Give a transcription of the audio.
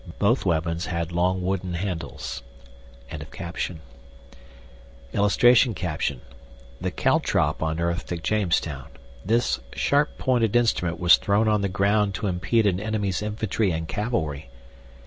BOTH WEAPONS HAD LONG WOODEN HANDLES.] [Illustration: THE CALTROP UNEARTHED AT JAMESTOWN. THIS SHARP POINTED INSTRUMENT WAS THROWN ON THE GROUND TO IMPEDE AN ENEMY'S INFANTRY AND CAVALRY.